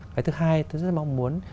cái thứ hai tôi rất mong muốn